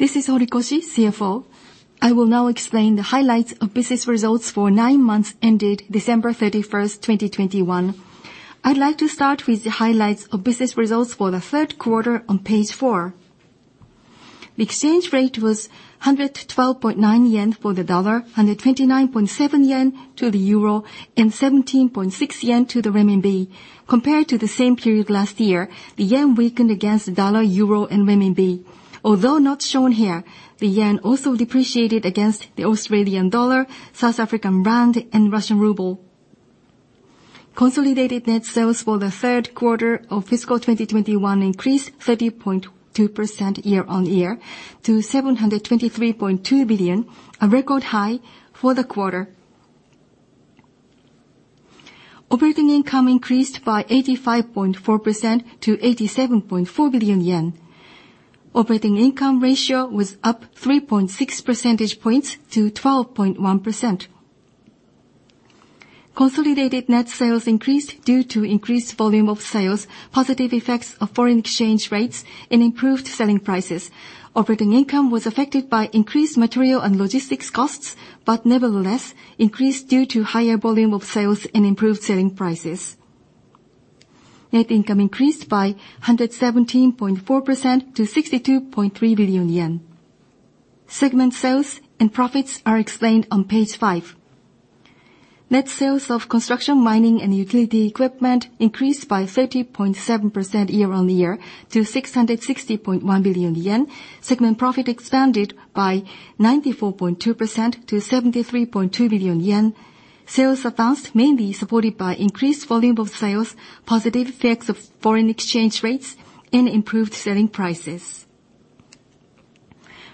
This is Horikoshi, CFO. I will now explain the highlights of business results for nine months ended December 31, 2021. I'd like to start with the highlights of business results for the third quarter on page four. The exchange rate was 112.9 yen for the dollar, 129.7 yen to the euro, and 17.6 yen to the renminbi. Compared to the same period last year, the yen weakened against the dollar, euro, and renminbi. Although not shown here, the yen also depreciated against the Australian dollar, South African rand, and Russian ruble. Consolidated net sales for the third quarter of fiscal 2021 increased 30.2% year-on-year to 723.2 billion, a record high for the quarter. Operating income increased by 85.4% to 87.4 billion yen. Operating income ratio was up 3.6 percentage points to 12.1%. Consolidated net sales increased due to increased volume of sales, positive effects of foreign exchange rates, and improved selling prices. Operating income was affected by increased material and logistics costs, but nevertheless, increased due to higher volume of sales and improved selling prices. Net income increased by 117.4% to 62.3 billion yen. Segment sales and profits are explained on page five. Net sales of construction, mining, and utility equipment increased by 30.7% year-on-year to 660.1 billion yen. Segment profit expanded by 94.2% to 73.2 billion yen. Sales advanced mainly supported by increased volume of sales, positive effects of foreign exchange rates, and improved selling prices.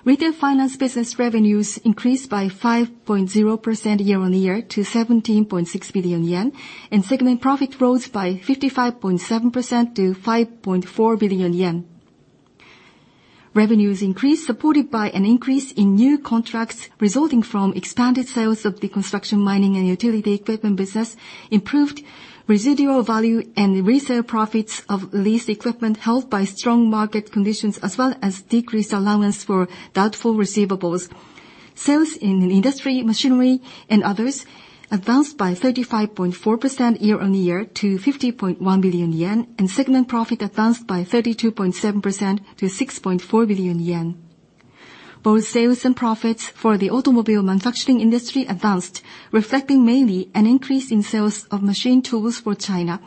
Retail Finance business revenues increased by 5.0% year-on-year to 17.6 billion yen, and segment profit rose by 55.7% to 5.4 billion yen. Revenues increased supported by an increase in new contracts resulting from expanded sales of the Construction, Mining and Utility Equipment business, improved residual value and resale profits of leased equipment held by strong market conditions, as well as decreased allowance for doubtful receivables. Sales in Industrial Machinery and Others advanced by 35.4% year-on-year to 50.1 billion yen, and segment profit advanced by 32.7% to 6.4 billion yen. Both sales and profits for the automobile manufacturing industry advanced, reflecting mainly an increase in sales of machine tools for China.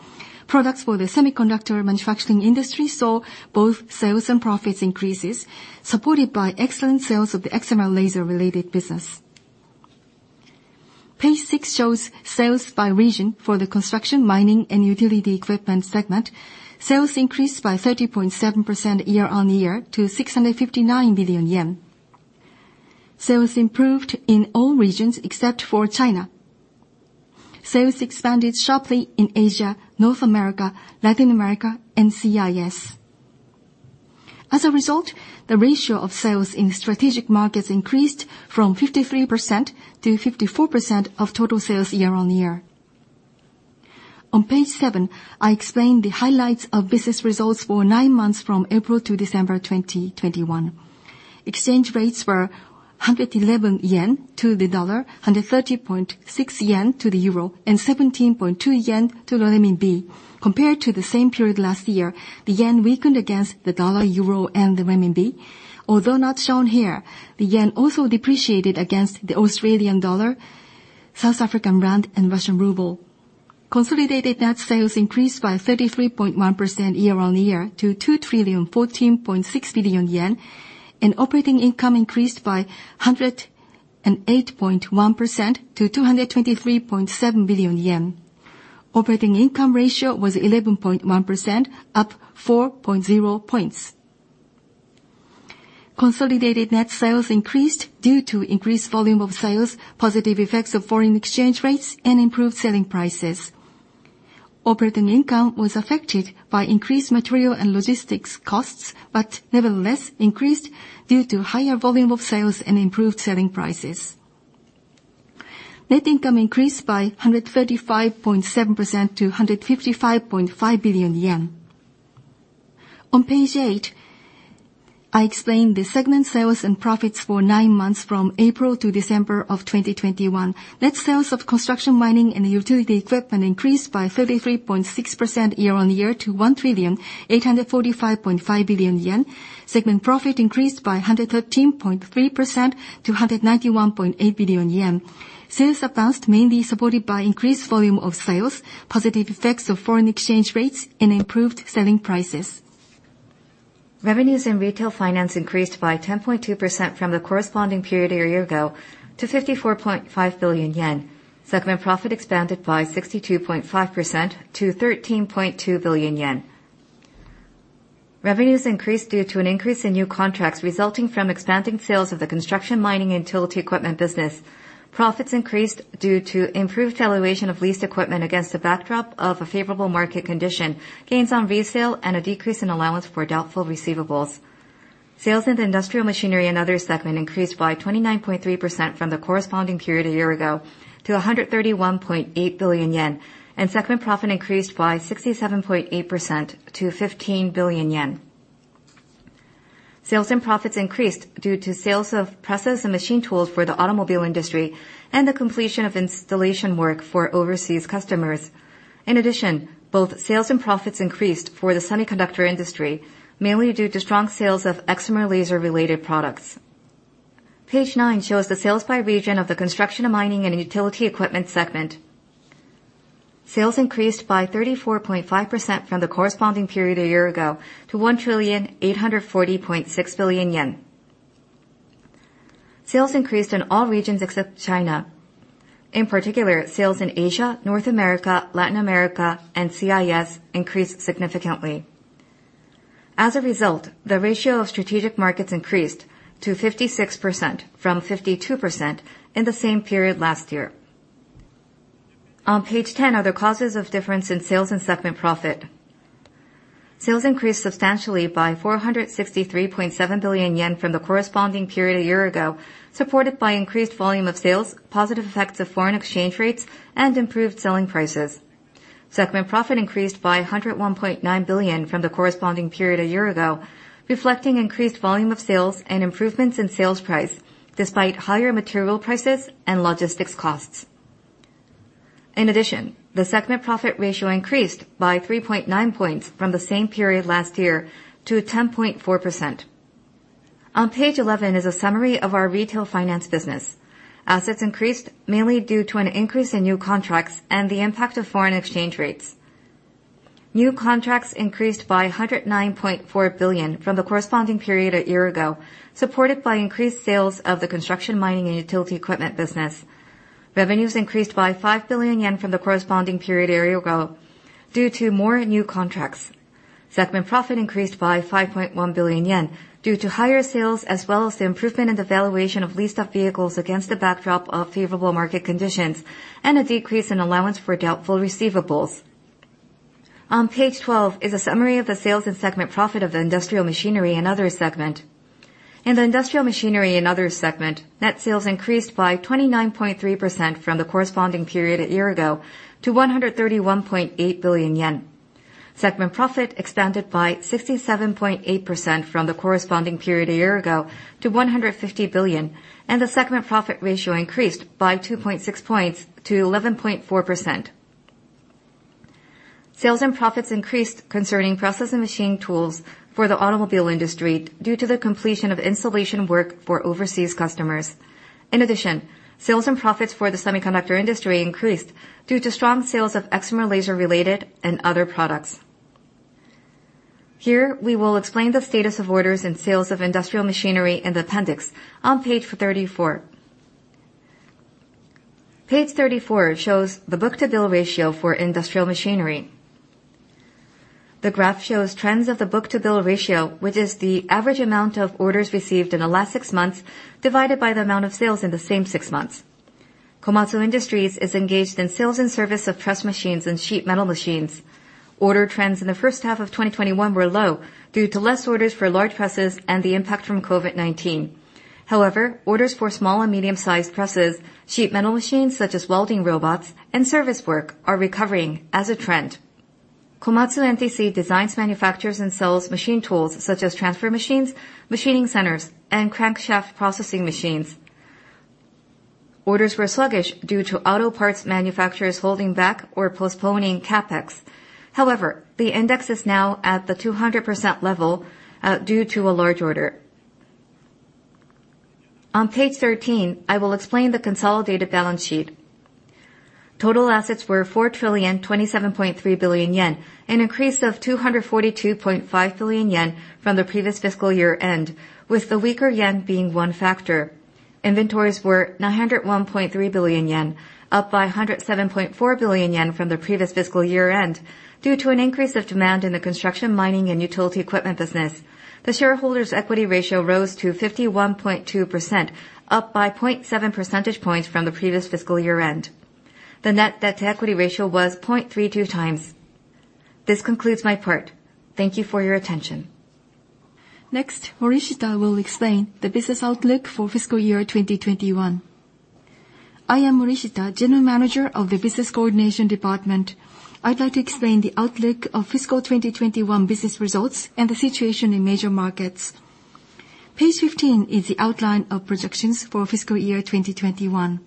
Products for the semiconductor manufacturing industry saw both sales and profits increases, supported by excellent sales of the excimer laser-related business. Page six shows sales by region for the construction, mining, and utility equipment segment. Sales increased by 30.7% year-on-year to 659 billion yen. Sales improved in all regions except for China. Sales expanded sharply in Asia, North America, Latin America, and CIS. As a result, the ratio of sales in strategic markets increased from 53%-54% of total sales year-on-year. On page seven, I explain the highlights of business results for nine months from April to December 2021. Exchange rates were 111 yen to the dollar, 130.6 yen to the euro, and 17.2 yen to the renminbi. Compared to the same period last year, the yen weakened against the dollar, euro, and the renminbi. Although not shown here, the yen also depreciated against the Australian dollar, South African rand, and Russian ruble. Consolidated net sales increased by 33.1% year-on-year to 2,014.6 billion yen, and operating income increased by 108.1% to 223.7 billion yen. Operating income ratio was 11.1%, up 4.0 points. Consolidated net sales increased due to increased volume of sales, positive effects of foreign exchange rates, and improved selling prices. Operating income was affected by increased material and logistics costs, but nevertheless, increased due to higher volume of sales and improved selling prices. Net income increased by 135.7% to 155.5 billion yen. On page eight, I explain the segment sales and profits for nine months from April to December of 2021. Net sales of construction, mining, and utility equipment increased by 33.6% year-on-year to 1,845.5 billion yen. Segment profit increased by 113.3% to 191.8 billion yen. Sales advanced mainly supported by increased volume of sales, positive effects of foreign exchange rates, and improved selling prices. Revenues in retail finance increased by 10.2% from the corresponding period a year ago to 54.5 billion yen. Segment profit expanded by 62.5% to 13.2 billion yen. Revenues increased due to an increase in new contracts resulting from expanding sales of the construction, mining and utility equipment business. Profits increased due to improved valuation of leased equipment against the backdrop of a favorable market condition, gains on resale, and a decrease in allowance for doubtful receivables. Sales in the Industrial Machinery and Others segment increased by 29.3% from the corresponding period a year ago to 131.8 billion yen, and segment profit increased by 67.8% to 15 billion yen. Sales and profits increased due to sales of presses and machine tools for the automobile industry and the completion of installation work for overseas customers. In addition, both sales and profits increased for the semiconductor industry, mainly due to strong sales of excimer laser related products. Page nine shows the sales by region of the Construction, Mining and Utility Equipment segment. Sales increased by 34.5% from the corresponding period a year ago to 1,840.6 billion yen. Sales increased in all regions except China. In particular, sales in Asia, North America, Latin America, and CIS increased significantly. As a result, the ratio of strategic markets increased to 56% from 52% in the same period last year. On page 10 are the causes of difference in sales and segment profit. Sales increased substantially by 463.7 billion yen from the corresponding period a year ago, supported by increased volume of sales, positive effects of foreign exchange rates, and improved selling prices. Segment profit increased by 101.9 billion from the corresponding period a year ago, reflecting increased volume of sales and improvements in sales price despite higher material prices and logistics costs. In addition, the segment profit ratio increased by 3.9 points from the same period last year to 10.4%. On page 11 is a summary of our retail finance business. Assets increased mainly due to an increase in new contracts and the impact of foreign exchange rates. New contracts increased by 109.4 billion from the corresponding period a year ago, supported by increased sales of the construction, mining and utility equipment business. Revenues increased by 5 billion yen from the corresponding period a year ago due to more new contracts. Segment profit increased by 5.1 billion yen due to higher sales, as well as the improvement in the valuation of leased-out vehicles against the backdrop of favorable market conditions and a decrease in allowance for doubtful receivables. On page 12 is a summary of the sales and segment profit of the industrial machinery and others segment. In the industrial machinery and others segment, net sales increased by 29.3% from the corresponding period a year ago to 131.8 billion yen. Segment profit expanded by 67.8% from the corresponding period a year ago to 150 billion, and the segment profit ratio increased by 2.6 points to 11.4%. Sales and profits increased concerning process and machine tools for the automobile industry due to the completion of installation work for overseas customers. In addition, sales and profits for the semiconductor industry increased due to strong sales of excimer laser related and other products. Here, we will explain the status of orders and sales of industrial machinery in the appendix on page 34. Page 34 shows the book-to-bill ratio for industrial machinery. The graph shows trends of the book-to-bill ratio, which is the average amount of orders received in the last six months divided by the amount of sales in the same six months. Komatsu Industries is engaged in sales and service of press machines and sheet metal machines. Order trends in the first half of 2021 were low due to less orders for large presses and the impact from COVID-19. However, orders for small and medium-sized presses, sheet metal machines such as welding robots, and service work are recovering as a trend. Komatsu NTC designs, manufactures, and sells machine tools such as transfer machines, machining centers, and crankshaft processing machines. Orders were sluggish due to auto parts manufacturers holding back or postponing CapEx. However, the index is now at the 200% level due to a large order. On page 13, I will explain the consolidated balance sheet. Total assets were 4,027.3 billion yen, an increase of 242.5 billion yen from the previous fiscal year-end, with the weaker yen being one factor. Inventories were 901.3 billion yen, up by 107.4 billion yen from the previous fiscal year-end due to an increase of demand in the construction, mining and utility equipment business. The shareholders' equity ratio rose to 51.2%, up by 0.7 percentage points from the previous fiscal year-end. The net debt to equity ratio was 0.32x. This concludes my part. Thank you for your attention. Next, Morishita will explain the business outlook for fiscal year 2021. I am Morishita, General Manager of the Business Coordination Department. I'd like to explain the outlook of fiscal 2021 business results and the situation in major markets. Page 15 is the outline of projections for fiscal year 2021.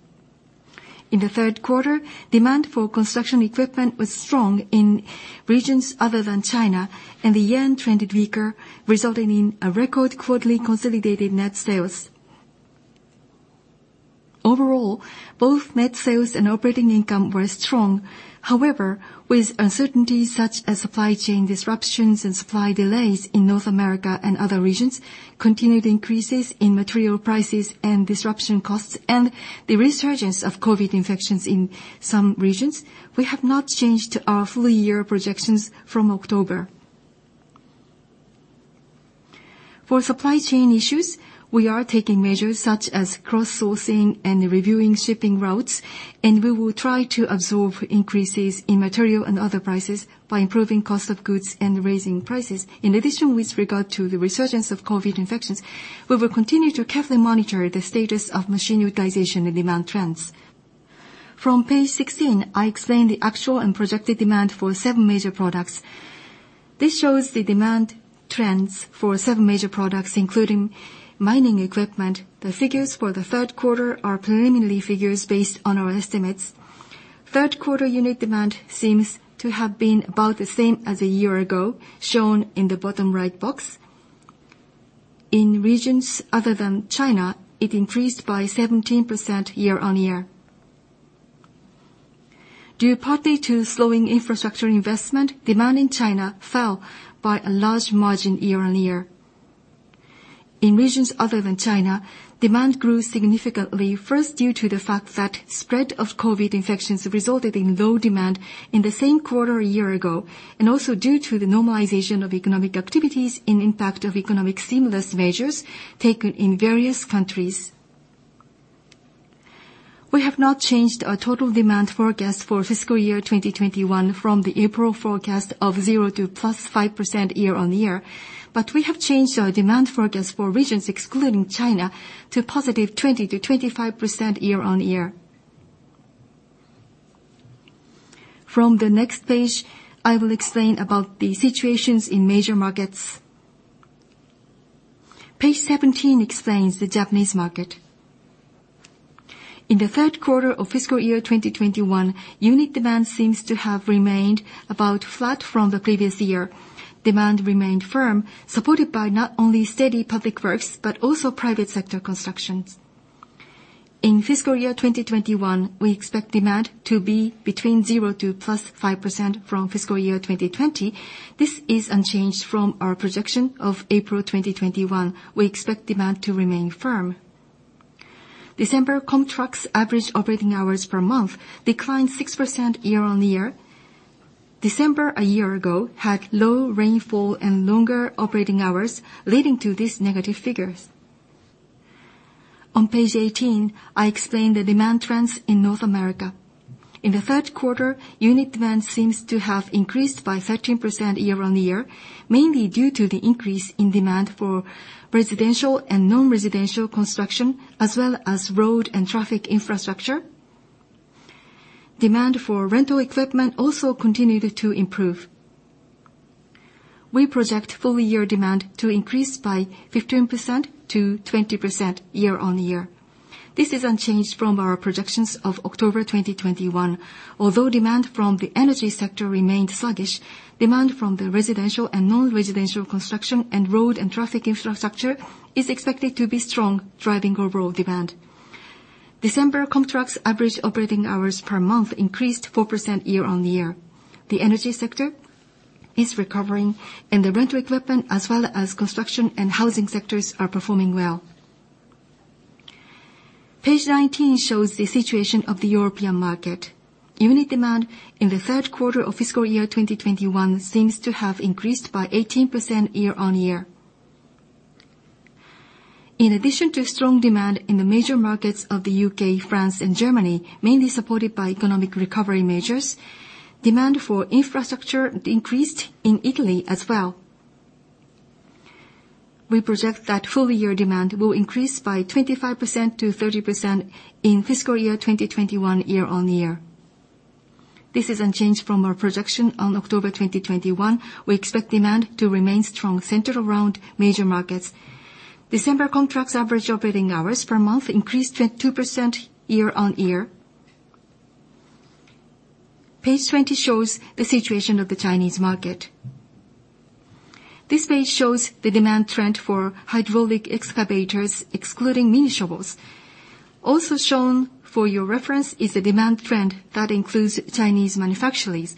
In the third quarter, demand for construction equipment was strong in regions other than China, and the yen trended weaker, resulting in a record quarterly consolidated net sales. Overall, both net sales and operating income were strong. However, with uncertainties such as supply chain disruptions and supply delays in North America and other regions, continued increases in material prices and disruption costs, and the resurgence of COVID infections in some regions, we have not changed our full year projections from October. For supply chain issues, we are taking measures such as cross-sourcing and reviewing shipping routes, and we will try to absorb increases in material and other prices by improving cost of goods and raising prices. In addition, with regard to the resurgence of COVID infections, we will continue to carefully monitor the status of machine utilization and demand trends. From page 16, I explain the actual and projected demand for seven major products. This shows the demand trends for seven major products, including mining equipment. The figures for the third quarter are preliminary figures based on our estimates. Third quarter unit demand seems to have been about the same as a year ago, shown in the bottom right box. In regions other than China, it increased by 17% year-on-year. Due partly to slowing infrastructure investment, demand in China fell by a large margin year-on-year. In regions other than China, demand grew significantly, first due to the fact that spread of COVID infections resulted in low demand in the same quarter a year ago, and also due to the normalization of economic activities and impact of economic stimulus measures taken in various countries. We have not changed our total demand forecast for fiscal year 2021 from the April forecast of 0%-+5% year-on-year, but we have changed our demand forecast for regions excluding China to +20%-+25% year-on-year. From the next page, I will explain about the situations in major markets. Page 17 explains the Japanese market. In the third quarter of fiscal year 2021, unit demand seems to have remained about flat from the previous year. Demand remained firm, supported by not only steady public works, but also private sector constructions. In fiscal year 2021, we expect demand to be between 0%-+5% from fiscal year 2020. This is unchanged from our projection of April 2021. We expect demand to remain firm. December contractors' average operating hours per month declined 6% year-on-year. December a year ago had low rainfall and longer operating hours, leading to these negative figures. On page 18, I explain the demand trends in North America. In the third quarter, unit demand seems to have increased by 13% year-on-year, mainly due to the increase in demand for residential and non-residential construction, as well as road and traffic infrastructure. Demand for rental equipment also continued to improve. We project full year demand to increase by 15%-20% year-on-year. This is unchanged from our projections of October 2021. Although demand from the energy sector remained sluggish, demand from the residential and non-residential construction and road and traffic infrastructure is expected to be strong, driving overall demand. December contracts average operating hours per month increased 4% year-on-year. The energy sector is recovering, and the rental equipment, as well as construction and housing sectors, are performing well. Page 19 shows the situation of the European market. Unit demand in the third quarter of fiscal year 2021 seems to have increased by 18% year-on-year. In addition to strong demand in the major markets of the U.K., France, and Germany, mainly supported by economic recovery measures, demand for infrastructure increased in Italy as well. We project that full year demand will increase by 25%-30% in fiscal year 2021 year-on-year. This is unchanged from our projection on October 2021. We expect demand to remain strong, centered around major markets. December contracts average operating hours per month increased 22% year-over-year. Page 20 shows the situation of the Chinese market. This page shows the demand trend for hydraulic excavators, excluding mini shovels. Also shown for your reference is the demand trend that includes Chinese manufacturers.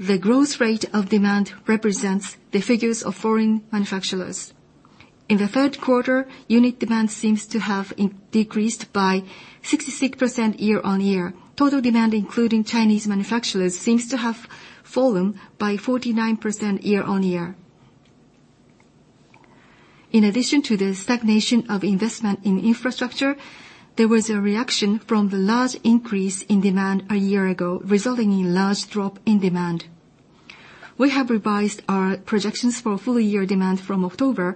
The growth rate of demand represents the figures of foreign manufacturers. In the third quarter, unit demand seems to have decreased by 66% year-over-year. Total demand, including Chinese manufacturers, seems to have fallen by 49% year-over-year. In addition to the stagnation of investment in infrastructure, there was a reaction from the large increase in demand a year ago, resulting in large drop in demand. We have revised our projections for full year demand from October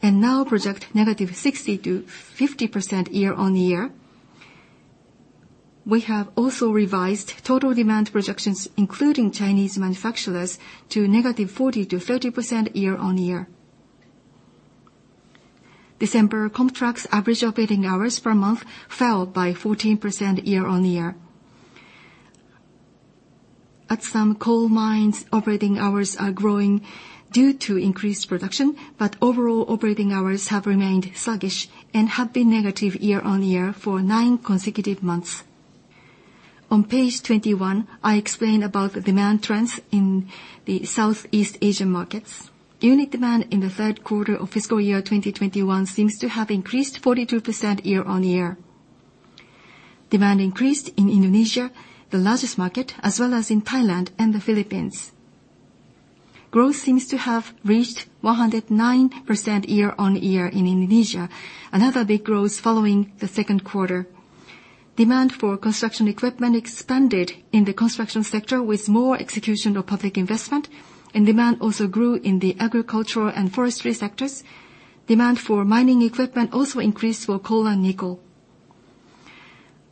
and now project -60% to -50% year-over-year. We have also revised total demand projections, including Chinese manufacturers, to -40%-30% year-over-year. December contracts average operating hours per month fell by 14% year-over-year. At some coal mines, operating hours are growing due to increased production, but overall operating hours have remained sluggish and have been negative year-over-year for nine consecutive months. On page 21, I explain about the demand trends in the Southeast Asian markets. Unit demand in the third quarter of fiscal year 2021 seems to have increased 42% year-over-year. Demand increased in Indonesia, the largest market, as well as in Thailand and the Philippines. Growth seems to have reached 109% year-over-year in Indonesia, another big growth following the second quarter. Demand for construction equipment expanded in the construction sector with more execution of public investment, and demand also grew in the agricultural and forestry sectors. Demand for mining equipment also increased for coal and nickel.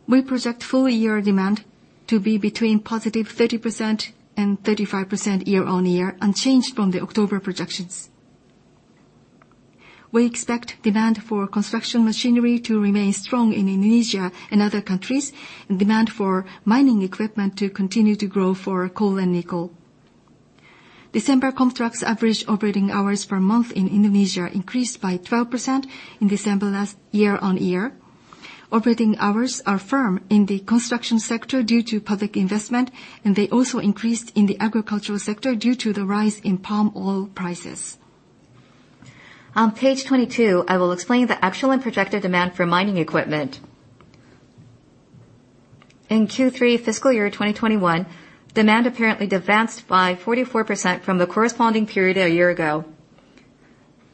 We project full year demand to be between +30% and 35% year-on-year, unchanged from the October projections. We expect demand for construction machinery to remain strong in Indonesia and other countries, and demand for mining equipment to continue to grow for coal and nickel. December contracts average operating hours per month in Indonesia increased by 12% in December year-on-year. Operating hours are firm in the construction sector due to public investment, and they also increased in the agricultural sector due to the rise in palm oil prices. On page 22, I will explain the actual and projected demand for mining equipment. In Q3 fiscal year 2021, demand apparently advanced by 44% from the corresponding period a year ago.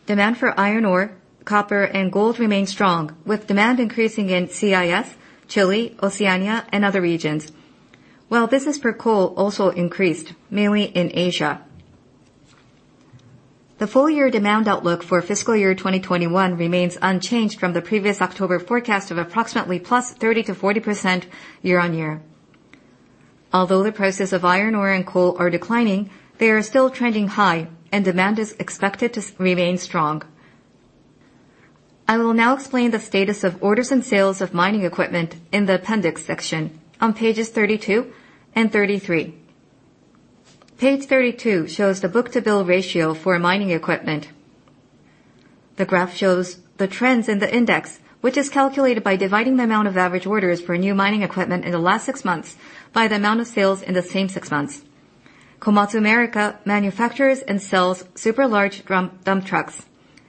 Demand for iron ore, copper and gold remain strong, with demand increasing in CIS, Chile, Oceania, and other regions. While business for coal also increased, mainly in Asia. The full year demand outlook for fiscal year 2021 remains unchanged from the previous October forecast of approximately +30%-40% year-on-year. Although the prices of iron ore and coal are declining, they are still trending high and demand is expected to remain strong. I will now explain the status of orders and sales of mining equipment in the appendix section on pages 32 and 33. Page 32 shows the book-to-bill ratio for mining equipment. The graph shows the trends in the index, which is calculated by dividing the amount of average orders for new mining equipment in the last six months by the amount of sales in the same six months. Komatsu America manufactures and sells super large dump trucks.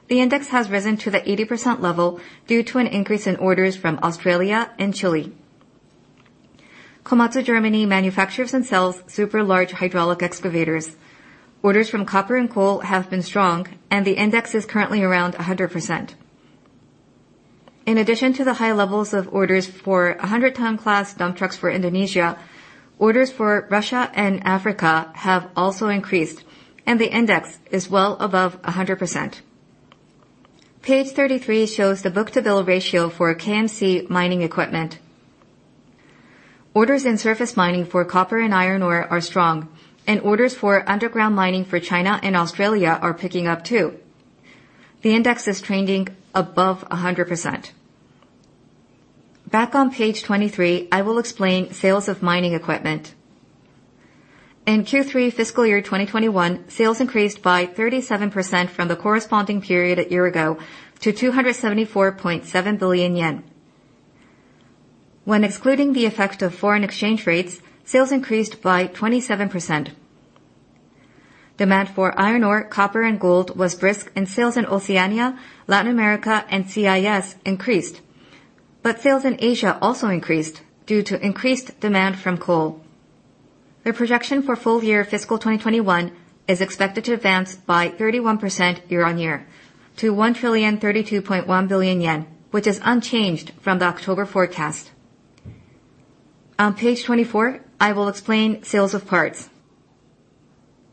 The index has risen to the 80% level due to an increase in orders from Australia and Chile. Komatsu Germany manufactures and sells super large hydraulic excavators. Orders from copper and coal have been strong and the index is currently around 100%. In addition to the high levels of orders for 100-ton class dump trucks for Indonesia, orders for Russia and Africa have also increased and the index is well above 100%. Page 33 shows the book-to-bill ratio for KMC mining equipment. Orders in surface mining for copper and iron ore are strong, and orders for underground mining for China and Australia are picking up too. The index is trending above 100%. Back on page 23, I will explain sales of mining equipment. In Q3 fiscal year 2021, sales increased by 37% from the corresponding period a year ago to 274.7 billion yen. When excluding the effect of foreign exchange rates, sales increased by 27%. Demand for iron ore, copper and gold was brisk, and sales in Oceania, Latin America, and CIS increased. Sales in Asia also increased due to increased demand from coal. The projection for full-year fiscal 2021 is expected to advance by 31% year-on-year to 1,032.1 billion yen, which is unchanged from the October forecast. On page 24, I will explain sales of parts.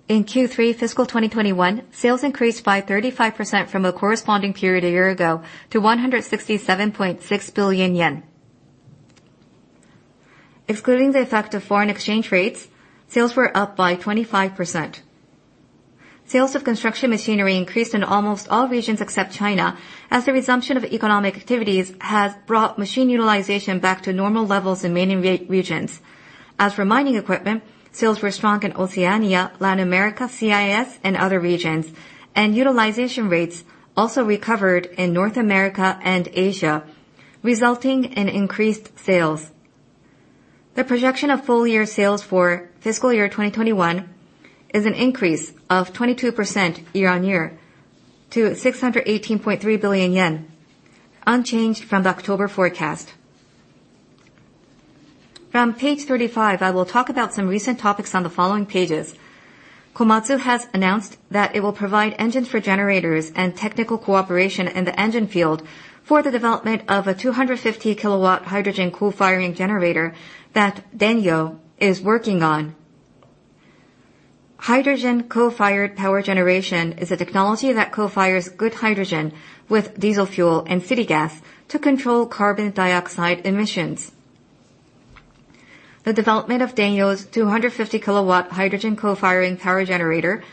In Q3 fiscal year 2021, sales increased by 35% from the corresponding period a year ago to 167.6 billion yen. Excluding the effect of foreign exchange rates, sales were up by 25%. Sales of construction machinery increased in almost all regions except China, as the resumption of economic activities has brought machine utilization back to normal levels in many regions. As for mining equipment, sales were strong in Oceania, Latin America, CIS and other regions, and utilization rates also recovered in North America and Asia, resulting in increased sales. The projection of full year sales for fiscal year 2021 is an increase of 22% year-on-year to 618.3 billion yen, unchanged from the October forecast. From page 35, I will talk about some recent topics on the following pages. Komatsu has announced that it will provide engines for generators and technical cooperation in the engine field for the development of a 250 kW hydrogen co-firing generator that Denyo is working on. Hydrogen co-fired power generation is a technology that co-fires green hydrogen with diesel fuel and city gas to control carbon dioxide emissions. The development of Denyo's 250 kW hydrogen co-firing power generator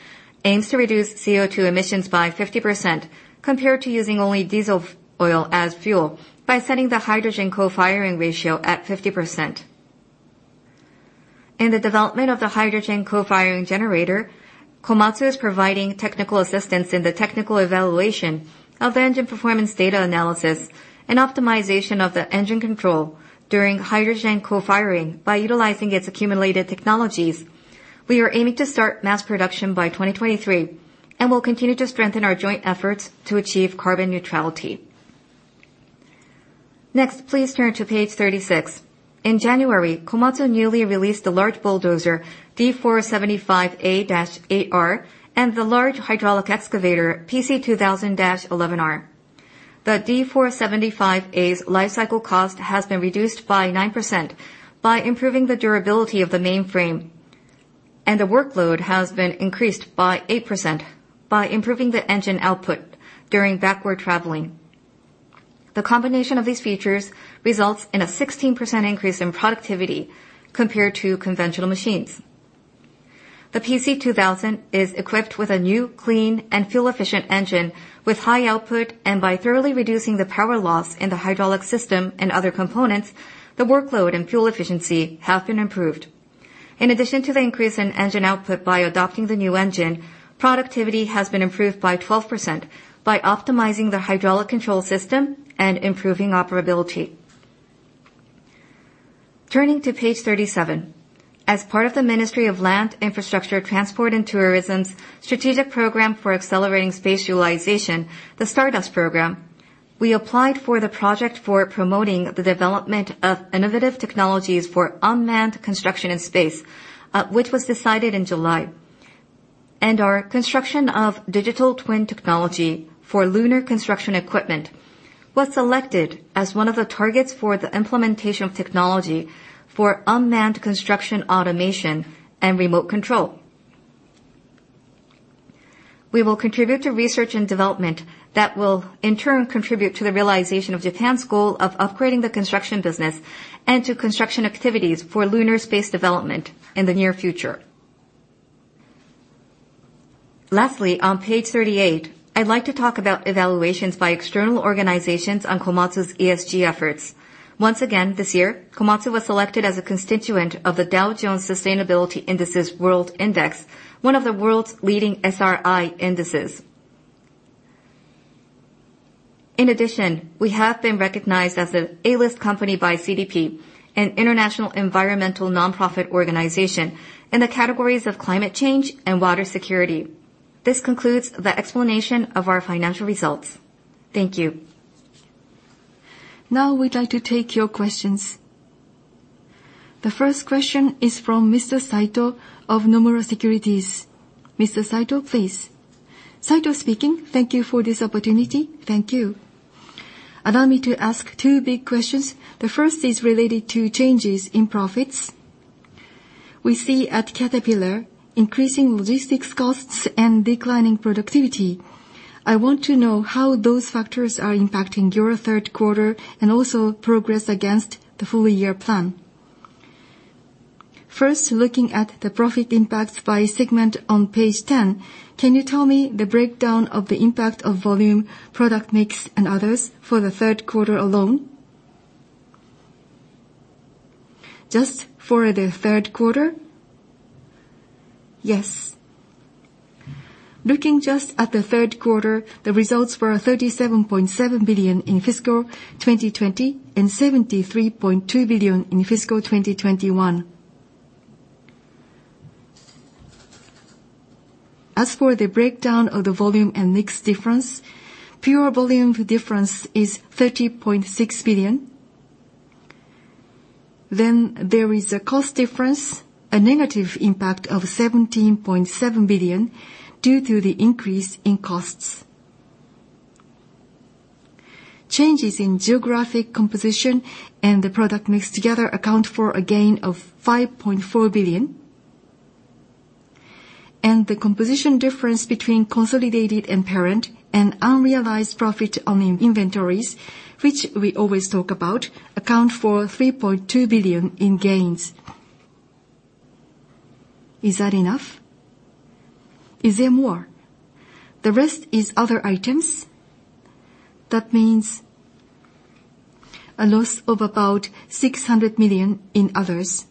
aims to reduce CO2 emissions by 50% compared to using only diesel fuel as fuel by setting the hydrogen co-firing ratio at 50%. In the development of the hydrogen co-firing generator, Komatsu is providing technical assistance in the technical evaluation of engine performance, data analysis and optimization of the engine control during hydrogen co-firing by utilizing its accumulated technologies. We are aiming to start mass production by 2023 and will continue to strengthen our joint efforts to achieve carbon neutrality. Next, please turn to page 36. In January, Komatsu newly released the large bulldozer D475A-8R and the large hydraulic excavator PC2000-11R. The D475A's life cycle cost has been reduced by 9% by improving the durability of the mainframe. The workload has been increased by 8% by improving the engine output during backward traveling. The combination of these features results in a 16% increase in productivity compared to conventional machines. The PC2000 is equipped with a new clean and fuel-efficient engine with high output, and by thoroughly reducing the power loss in the hydraulic system and other components, the workload and fuel efficiency have been improved. In addition to the increase in engine output by adopting the new engine, productivity has been improved by 12% by optimizing the hydraulic control system and improving operability. Turning to page 37, as part of the Ministry of Land, Infrastructure, Transport and Tourism's strategic program for accelerating space utilization, the Stardust Program, we applied for the project for promoting the development of innovative technologies for unmanned construction in space, which was decided in July. Our construction of digital twin technology for lunar construction equipment was selected as one of the targets for the implementation of technology for unmanned construction automation and remote control. We will contribute to research and development that will in turn contribute to the realization of Japan's goal of upgrading the construction business and to construction activities for lunar space development in the near future. Lastly, on page 38, I'd like to talk about evaluations by external organizations on Komatsu's ESG efforts. Once again, this year, Komatsu was selected as a constituent of the Dow Jones Sustainability World Index, one of the world's leading SRI indices. In addition, we have been recognized as an A-list company by CDP, an international environmental non-profit organization, in the categories of climate change and water security. This concludes the explanation of our financial results. Thank you. Now we'd like to take your questions. The first question is from Mr. Saito of Nomura Securities. Mr. Saito, please. Saito speaking. Thank you for this opportunity. Thank you. Allow me to ask two big questions. The first is related to changes in profits. We see at Caterpillar increasing logistics costs and declining productivity. I want to know how those factors are impacting your third quarter and also progress against the full year plan. First, looking at the profit impact by segment on page 10, can you tell me the breakdown of the impact of volume, product mix, and others for the third quarter alone? Just for the third quarter? Yes. Looking just at the third quarter, the results were 37.7 billion in fiscal 2020 and 73.2 billion in fiscal 2021. As for the breakdown of the volume and mix difference, pure volume difference is 30.6 billion. There is a cost difference, a negative impact of 17.7 billion due to the increase in costs. Changes in geographic composition and the product mix together account for a gain of 5.4 billion. The composition difference between consolidated and parent and unrealized profit on in-inventories, which we always talk about, account for 3.2 billion in gains. Is that enough? Is there more? The rest is other items. That means a loss of about 600 million in others.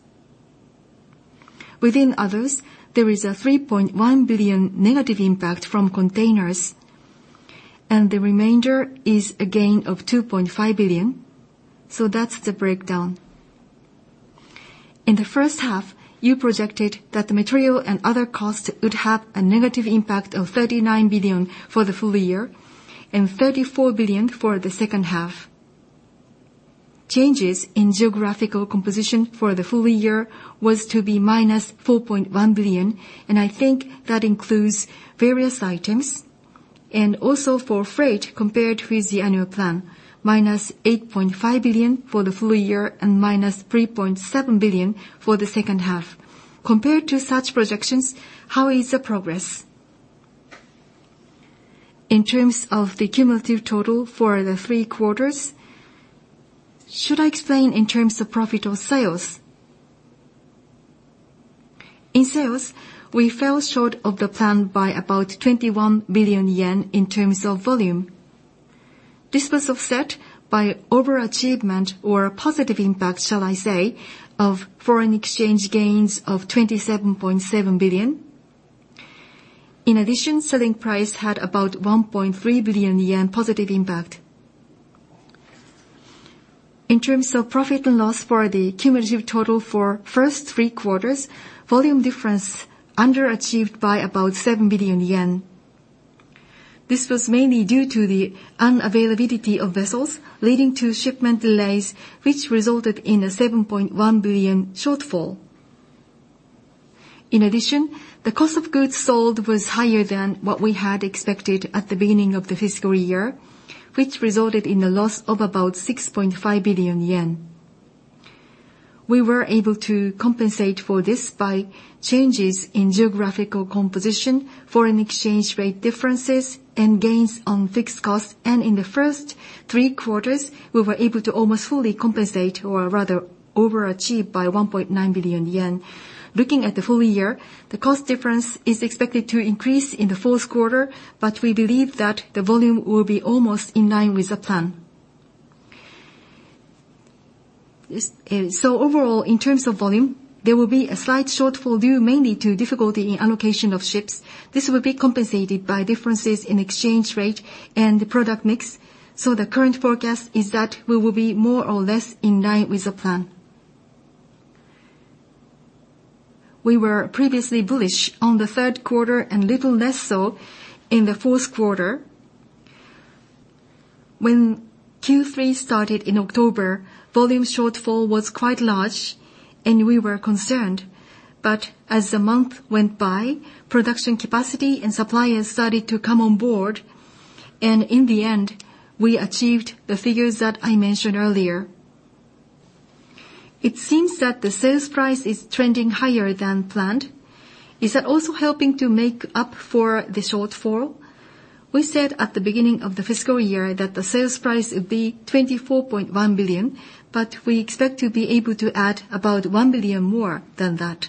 Within others, there is a 3.1 billion negative impact from containers, and the remainder is a gain of 2.5 billion, so that's the breakdown. In the first half, you projected that the material and other costs would have a negative impact of 39 billion for the full year and 34 billion for the second half. Changes in geographical composition for the full year was to be -4.1 billion, and I think that includes various items. Also for freight compared with the annual plan, -8.5 billion for the full year and -3.7 billion for the second half. Compared to such projections, how is the progress? In terms of the cumulative total for the three quarters? Should I explain in terms of profit or sales? In sales, we fell short of the plan by about 21 billion yen in terms of volume. This was offset by overachievement or a positive impact, shall I say, of foreign exchange gains of 27.7 billion. In addition, selling price had about 1.3 billion yen positive impact. In terms of profit and loss for the cumulative total for first three quarters, volume difference underachieved by about 7 billion yen. This was mainly due to the unavailability of vessels, leading to shipment delays, which resulted in a 7.1 billion shortfall. In addition, the cost of goods sold was higher than what we had expected at the beginning of the fiscal year, which resulted in a loss of about 6.5 billion yen. We were able to compensate for this by changes in geographical composition, foreign exchange rate differences, and gains on fixed costs. In the first three quarters, we were able to almost fully compensate, or rather overachieve by 1.9 billion yen. Looking at the full year, the cost difference is expected to increase in the fourth quarter, but we believe that the volume will be almost in line with the plan. Overall, in terms of volume, there will be a slight shortfall due mainly to difficulty in allocation of ships. This will be compensated by differences in exchange rate and the product mix. The current forecast is that we will be more or less in line with the plan. We were previously bullish on the third quarter and little less so in the fourth quarter. When Q3 started in October, volume shortfall was quite large and we were concerned. As the month went by, production capacity and suppliers started to come on board, and in the end, we achieved the figures that I mentioned earlier. It seems that the sales price is trending higher than planned. Is that also helping to make up for the shortfall? We said at the beginning of the fiscal year that the sales price would be 24.1 billion, but we expect to be able to add about 1 billion more than that.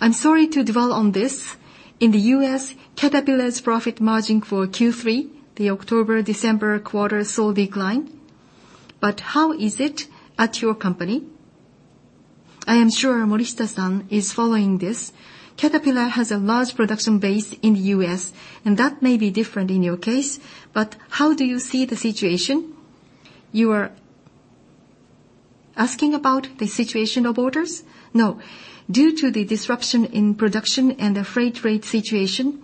I'm sorry to dwell on this. In the U.S., Caterpillar's profit margin for Q3, the October-December quarter, saw a decline. How is it at your company? I am sure Morishita-san is following this. Caterpillar has a large production base in the U.S., and that may be different in your case, but how do you see the situation? You are asking about the situation of orders? No. Due to the disruption in production and the freight rate situation,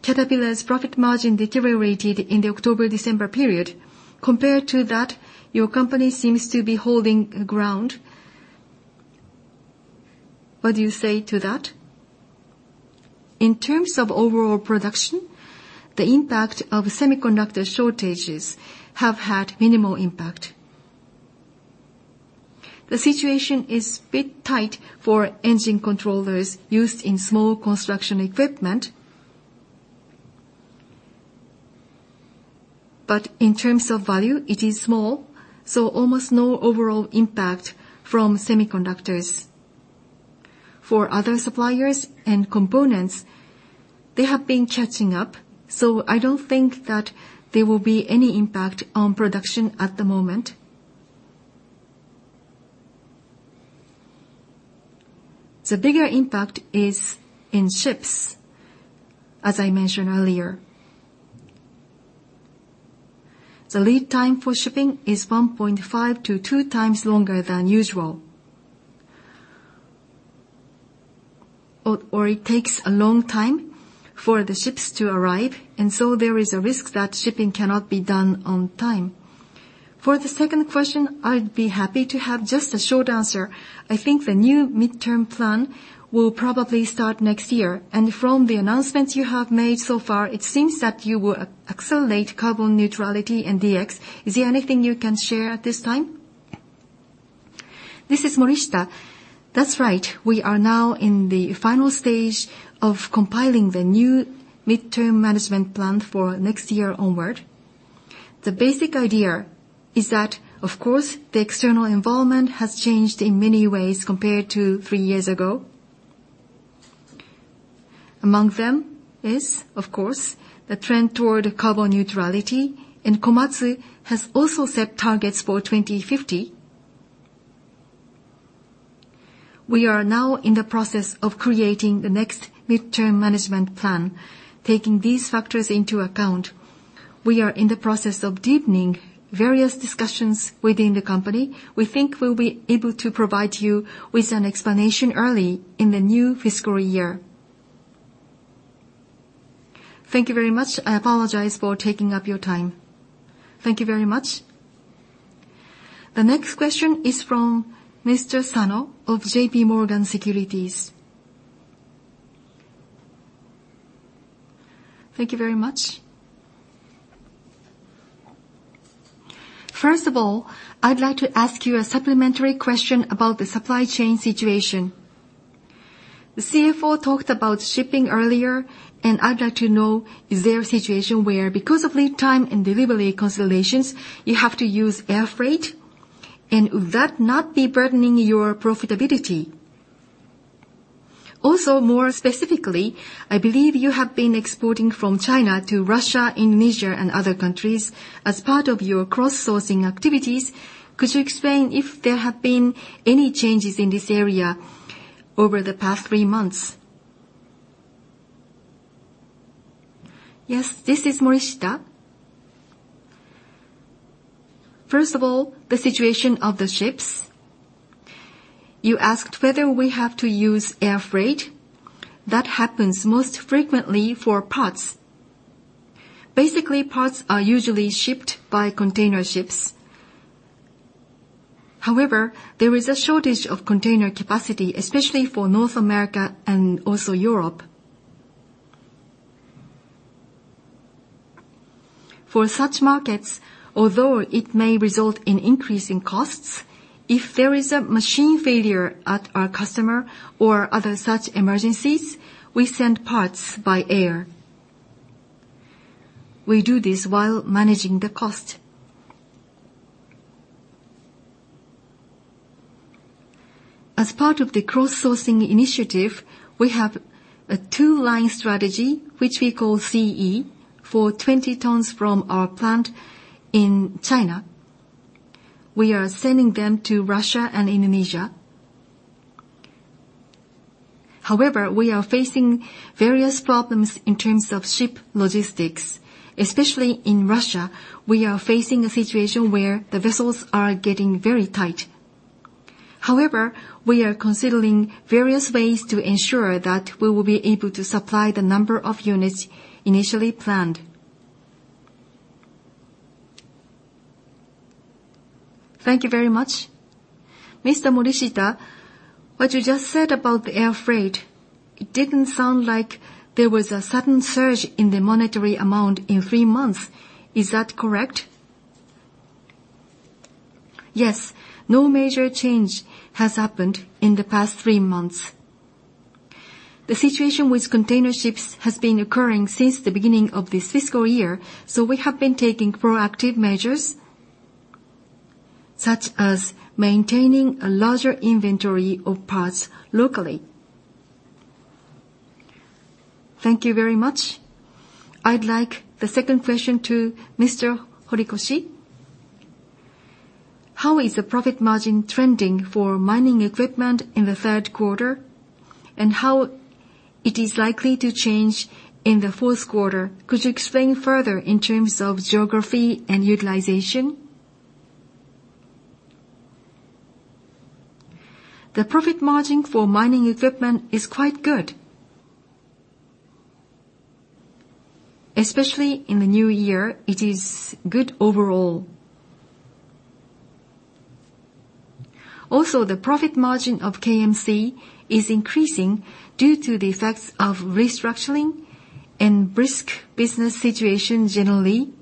Caterpillar's profit margin deteriorated in the October-December period. Compared to that, your company seems to be holding ground. What do you say to that? In terms of overall production, the impact of semiconductor shortages have had minimal impact. The situation is a bit tight for engine controllers used in small construction equipment. In terms of value, it is small, so almost no overall impact from semiconductors. For other suppliers and components, they have been catching up, so I don't think that there will be any impact on production at the moment. The bigger impact is in ships, as I mentioned earlier. The lead time for shipping is 1.5x-2x longer than usual. It takes a long time for the ships to arrive, and so there is a risk that shipping cannot be done on time. For the second question, I'd be happy to have just a short answer. I think the new midterm plan will probably start next year, and from the announcements you have made so far, it seems that you will accelerate carbon neutrality and DX. Is there anything you can share at this time? This is Morishita. That's right. We are now in the final stage of compiling the new midterm management plan for next year onward. The basic idea is that, of course, the external environment has changed in many ways compared to three years ago. Among them is, of course, the trend toward carbon neutrality, and Komatsu has also set targets for 2050. We are now in the process of creating the next midterm management plan. Taking these factors into account, we are in the process of deepening various discussions within the company. We think we'll be able to provide you with an explanation early in the new fiscal year. Thank you very much. I apologize for taking up your time. Thank you very much. The next question is from Mr. Sano of JPMorgan Securities. Thank you very much. First of all, I'd like to ask you a supplementary question about the supply chain situation. The CFO talked about shipping earlier, and I'd like to know, is there a situation where because of lead time and delivery cancellations, you have to use air freight, and would that not be burdening your profitability? Also, more specifically, I believe you have been exporting from China to Russia, Indonesia, and other countries as part of your cross-sourcing activities. Could you explain if there have been any changes in this area over the past three months? Yes, this is Morishita. First of all, the situation of the ships. You asked whether we have to use air freight. That happens most frequently for parts. Basically, parts are usually shipped by container ships. However, there is a shortage of container capacity, especially for North America and also Europe. For such markets, although it may result in increase in costs, if there is a machine failure at our customer or other such emergencies, we send parts by air. We do this while managing the cost. As part of the cross-sourcing initiative, we have a two-line strategy, which we call CE, for 20 tons from our plant in China. We are sending them to Russia and Indonesia. However, we are facing various problems in terms of ship logistics. Especially in Russia, we are facing a situation where the vessels are getting very tight. However, we are considering various ways to ensure that we will be able to supply the number of units initially planned. Thank you very much. Mr. Morishita, what you just said about the air freight, it didn't sound like there was a sudden surge in the monetary amount in three months. Is that correct? Yes. No major change has happened in the past three months. The situation with container ships has been occurring since the beginning of this fiscal year, so we have been taking proactive measures, such as maintaining a larger inventory of parts locally. Thank you very much. I'd like the second question to Mr. Horikoshi. How is the profit margin trending for mining equipment in the third quarter, and how it is likely to change in the fourth quarter? Could you explain further in terms of geography and utilization? The profit margin for mining equipment is quite good. Especially in the new year, it is good overall. Also, the profit margin of KMC is increasing due to the effects of restructuring and brisk business situation generally,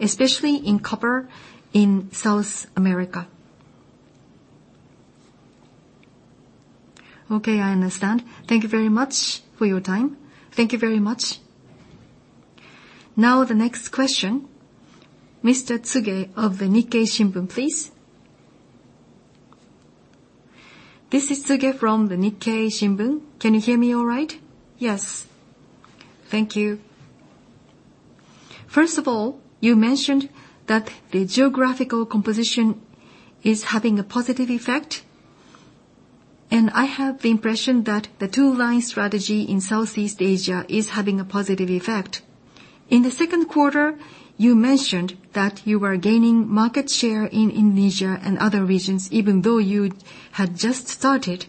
especially in copper in South America. Okay, I understand. Thank you very much for your time. Thank you very much. Now the next question, Mr. Tsuge of the Nikkei Shimbun, please. This is Tsuge from the Nikkei Shimbun. Can you hear me all right? Yes. Thank you. First of all, you mentioned that the geographical composition is having a positive effect, and I have the impression that the two-line strategy in Southeast Asia is having a positive effect. In the second quarter, you mentioned that you were gaining market share in Indonesia and other regions, even though you had just started.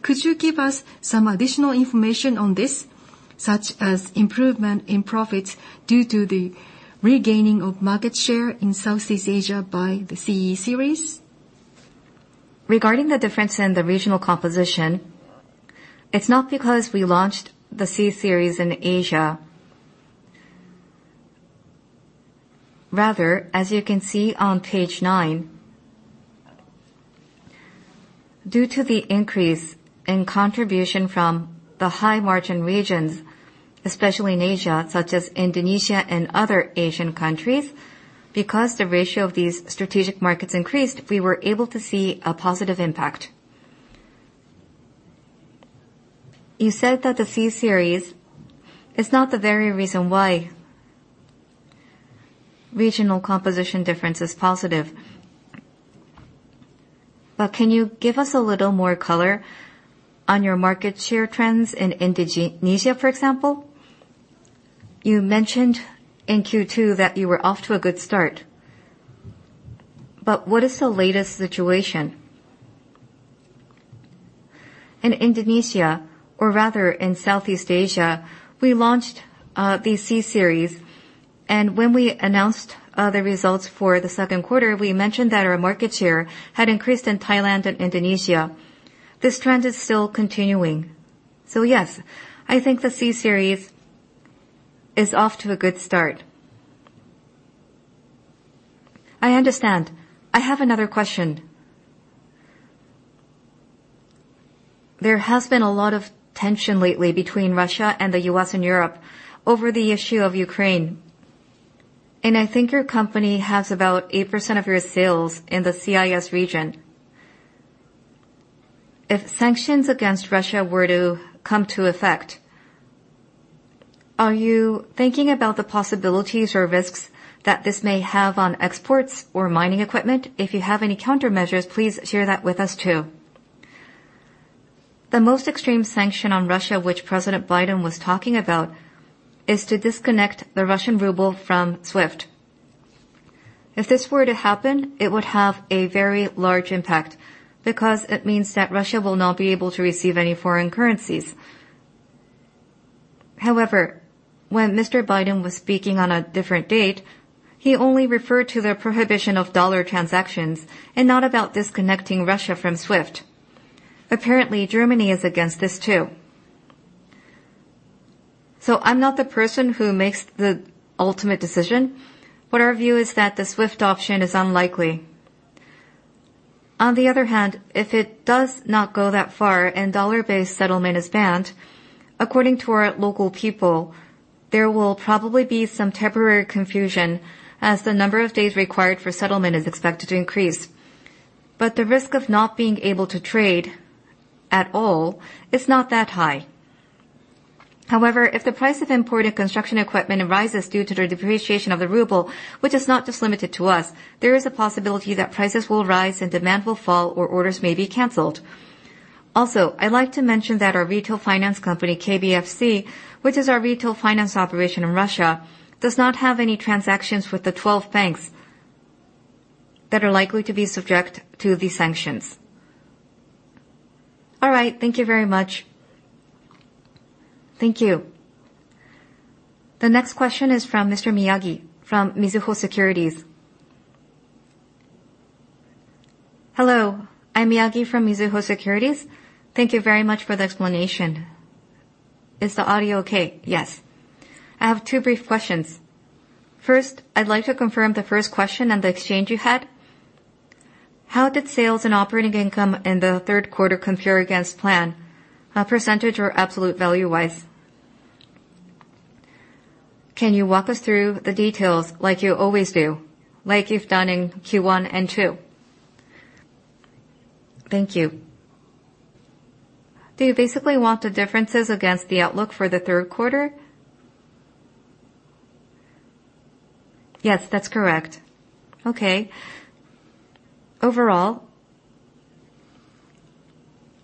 Could you give us some additional information on this, such as improvement in profits due to the regaining of market share in Southeast Asia by the CE series? Regarding the difference in the regional composition, it's not because we launched the CE series in Asia. Rather, as you can see on page nine, due to the increase in contribution from the high-margin regions, especially in Asia, such as Indonesia and other Asian countries, because the ratio of these strategic markets increased, we were able to see a positive impact. You said that the CE series is not the very reason why regional composition difference is positive. Can you give us a little more color on your market share trends in Indonesia, for example? You mentioned in Q2 that you were off to a good start, but what is the latest situation? In Indonesia, or rather in Southeast Asia, we launched the CE series, and when we announced the results for the second quarter, we mentioned that our market share had increased in Thailand and Indonesia. This trend is still continuing. Yes, I think the CE series is off to a good start. I understand. I have another question. There has been a lot of tension lately between Russia and the U.S. and Europe over the issue of Ukraine, and I think your company has about 8% of your sales in the CIS region. If sanctions against Russia were to come into effect, are you thinking about the possibilities or risks that this may have on exports or mining equipment? If you have any countermeasures, please share that with us too. The most extreme sanction on Russia, which President Biden was talking about, is to disconnect the Russian ruble from SWIFT. If this were to happen, it would have a very large impact because it means that Russia will not be able to receive any foreign currencies. However, when Mr. Biden was speaking on a different date, he only referred to the prohibition of dollar transactions and not about disconnecting Russia from SWIFT. Apparently, Germany is against this too. I'm not the person who makes the ultimate decision, but our view is that the SWIFT option is unlikely. On the other hand, if it does not go that far and dollar-based settlement is banned, according to our local people, there will probably be some temporary confusion as the number of days required for settlement is expected to increase. The risk of not being able to trade at all is not that high. However, if the price of imported construction equipment rises due to the depreciation of the ruble, which is not just limited to us, there is a possibility that prices will rise and demand will fall, or orders may be canceled. Also, I'd like to mention that our retail finance company, KBFC, which is our retail finance operation in Russia, does not have any transactions with the 12 banks that are likely to be subject to the sanctions. All right. Thank you very much. Thank you. The next question is from Mr. Miyagi from Mizuho Securities. Hello, I'm Miyagi from Mizuho Securities. Thank you very much for the explanation. Is the audio okay? Yes. I have two brief questions. First, I'd like to confirm the first question on the exchange you had. How did sales and operating income in the third quarter compare against plan, percentage or absolute value-wise? Can you walk us through the details like you always do, like you've done in Q1 and 2? Thank you. Do you basically want the differences against the outlook for the third quarter? Yes, that's correct. Okay. Overall,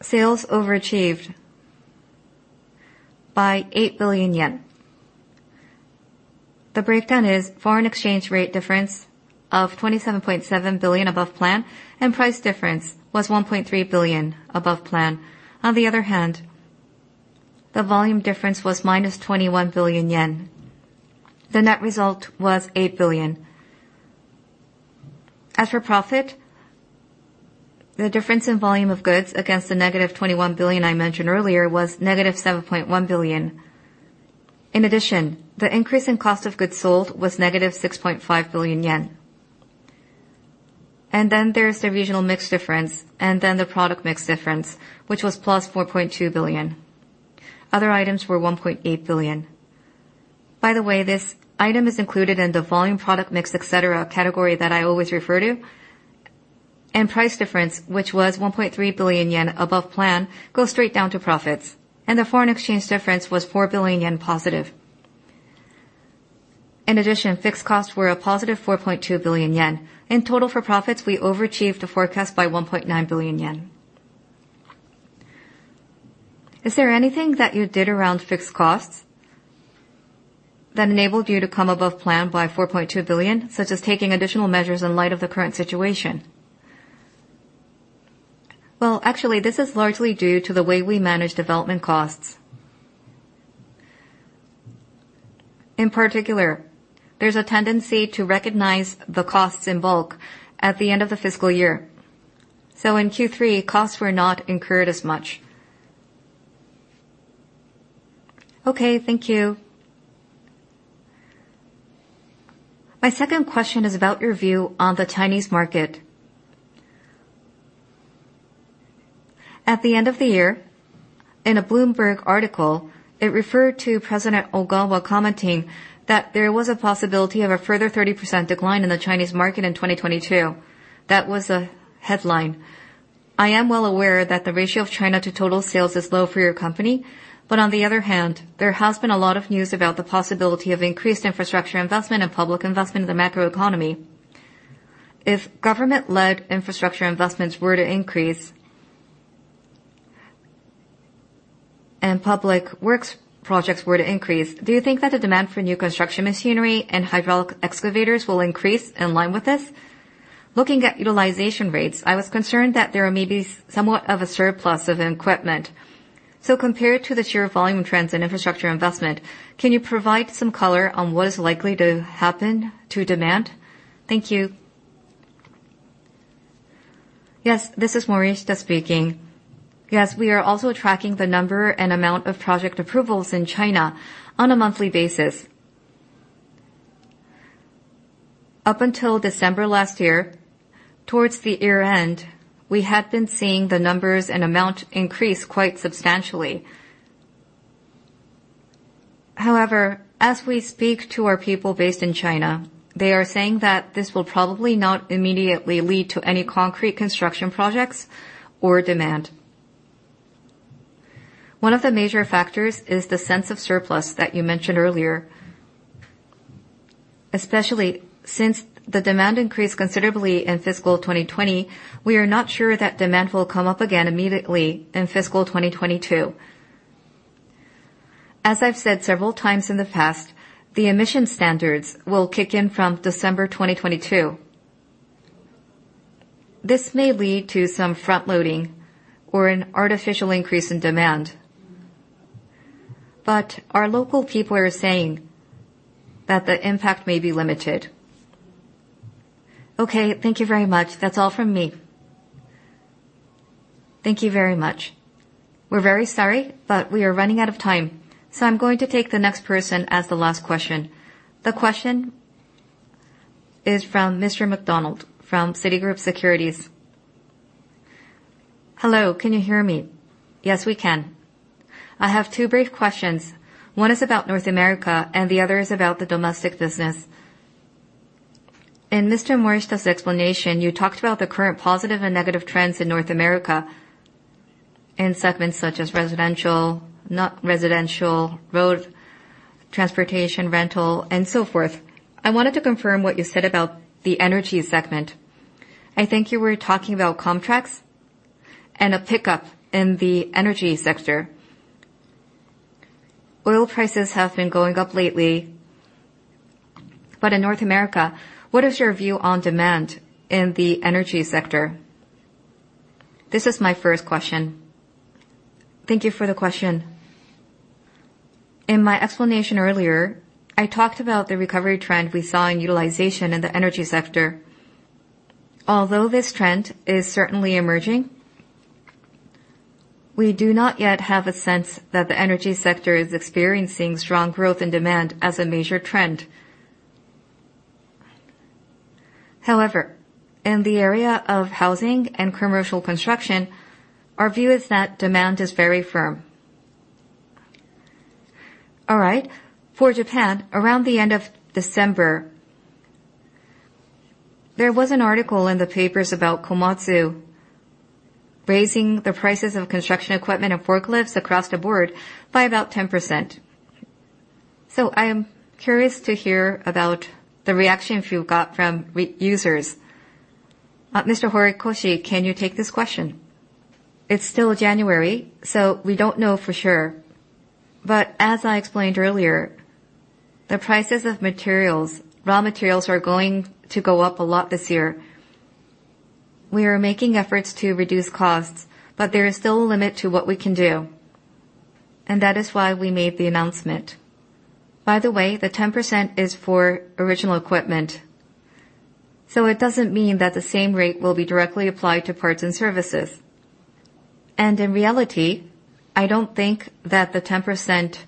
sales overachieved by 8 billion yen. The breakdown is foreign exchange rate difference of 27.7 billion above plan and price difference was 1.3 billion above plan. On the other hand, the volume difference was -21 billion yen. The net result was 8 billion. As for profit, the difference in volume of goods against the negative 21 billion I mentioned earlier was -7.1 billion. In addition, the increase in cost of goods sold was -6.5 billion yen. Then there's the regional mix difference and then the product mix difference, which was plus 4.2 billion. Other items were 1.8 billion. By the way, this item is included in the volume product mix, et cetera, category that I always refer to. Price difference, which was 1.3 billion yen above plan, goes straight down to profits. The foreign exchange difference was 4 billion yen positive. In addition, fixed costs were a positive 4.2 billion yen. In total, for profits, we overachieved the forecast by 1.9 billion yen. Is there anything that you did around fixed costs that enabled you to come above plan by 4.2 billion, such as taking additional measures in light of the current situation? Well, actually, this is largely due to the way we manage development costs. In particular, there's a tendency to recognize the costs in bulk at the end of the fiscal year. In Q3, costs were not incurred as much. Okay, thank you. My second question is about your view on the Chinese market. At the end of the year, in a Bloomberg article, it referred to President Ogawa commenting that there was a possibility of a further 30% decline in the Chinese market in 2022. That was the headline. I am well aware that the ratio of China to total sales is low for your company, but on the other hand, there has been a lot of news about the possibility of increased infrastructure investment and public investment in the macroeconomy. If government-led infrastructure investments were to increase and public works projects were to increase, do you think that the demand for new construction machinery and hydraulic excavators will increase in line with this? Looking at utilization rates, I was concerned that there may be somewhat of a surplus of equipment. Compared to the sheer volume trends in infrastructure investment, can you provide some color on what is likely to happen to demand? Thank you. Yes, this is Morishita speaking. Yes, we are also tracking the number and amount of project approvals in China on a monthly basis. Up until December last year, towards the year-end, we had been seeing the numbers and amount increase quite substantially. However, as we speak to our people based in China, they are saying that this will probably not immediately lead to any concrete construction projects or demand. One of the major factors is the sense of surplus that you mentioned earlier. Especially since the demand increased considerably in fiscal 2020, we are not sure that demand will come up again immediately in fiscal 2022. As I've said several times in the past, the emission standards will kick in from December 2022. This may lead to some front-loading or an artificial increase in demand. Our local people are saying that the impact may be limited. Okay, thank you very much. That's all from me. Thank you very much. We're very sorry, but we are running out of time, so I'm going to take the next person as the last question. The question is from Mr. McDonald from Citigroup Securities. Hello, can you hear me? Yes, we can. I have two brief questions. One is about North America, and the other is about the domestic business. In Mr. Morishita's explanation, you talked about the current positive and negative trends in North America in segments such as residential, non-residential, road transportation, rental, and so forth. I wanted to confirm what you said about the energy segment. I think you were talking about contracts and a pickup in the energy sector. Oil prices have been going up lately. In North America, what is your view on demand in the energy sector? This is my first question. Thank you for the question. In my explanation earlier, I talked about the recovery trend we saw in utilization in the energy sector. Although this trend is certainly emerging, we do not yet have a sense that the energy sector is experiencing strong growth and demand as a major trend. However, in the area of housing and commercial construction, our view is that demand is very firm. All right. For Japan, around the end of December, there was an article in the papers about Komatsu raising the prices of construction equipment and forklifts across the board by about 10%. I am curious to hear about the reaction you got from end users. Mr. Horikoshi, can you take this question? It's still January, so we don't know for sure. As I explained earlier, the prices of materials, raw materials, are going to go up a lot this year. We are making efforts to reduce costs, but there is still a limit to what we can do, and that is why we made the announcement. By the way, the 10% is for original equipment, so it doesn't mean that the same rate will be directly applied to parts and services. In reality, I don't think that the 10%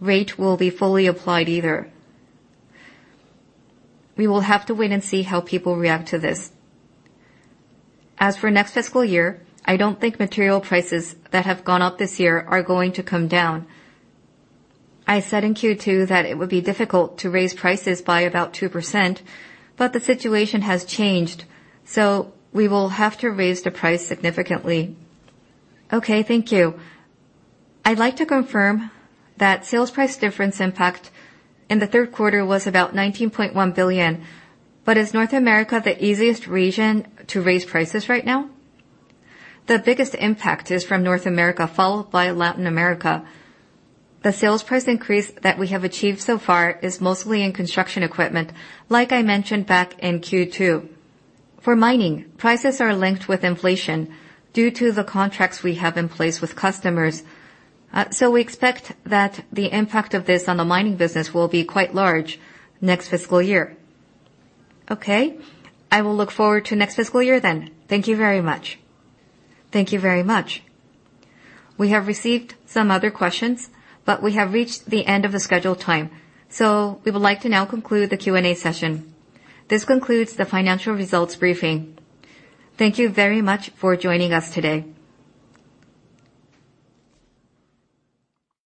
rate will be fully applied either. We will have to wait and see how people react to this. As for next fiscal year, I don't think material prices that have gone up this year are going to come down. I said in Q2 that it would be difficult to raise prices by about 2%, but the situation has changed, so we will have to raise the price significantly. Okay, thank you. I'd like to confirm that sales price difference impact in the third quarter was about 19.1 billion. But is North America the easiest region to raise prices right now? The biggest impact is from North America, followed by Latin America. The sales price increase that we have achieved so far is mostly in construction equipment, like I mentioned back in Q2. For mining, prices are linked with inflation due to the contracts we have in place with customers. We expect that the impact of this on the mining business will be quite large next fiscal year. Okay. I will look forward to next fiscal year then. Thank you very much. Thank you very much. We have received some other questions, but we have reached the end of the scheduled time, so we would like to now conclude the Q&A session. This concludes the financial results briefing. Thank you very much for joining us today.